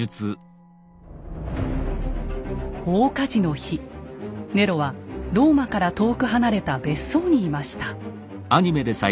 大火事の日ネロはローマから遠く離れた別荘にいました。